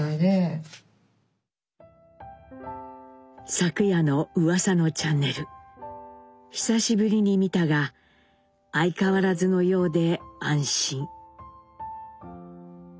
「昨夜の噂のチャンネル久し振りに見たが相変らずのようで安心」。